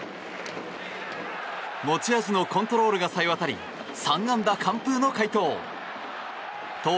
持ち味のコントロールがさえ渡り３安打完封の快投。